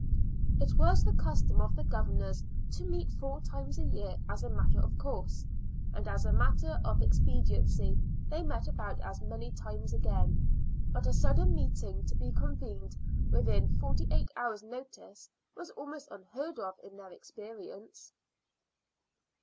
It was the custom of the governors to meet four times a year as a matter of course, and as a matter of expediency they met about as many times again. But a sudden meeting to be convened within forty eight hours' notice was almost unheard of in their experience.